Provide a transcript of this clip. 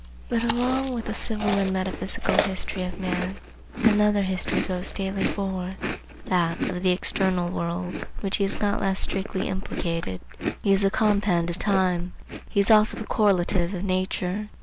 But along with the civil and metaphysical history of man, another history goes daily forward,—that of the external world,—in which he is not less strictly implicated. He is the compend of time; he is also the correlative of nature.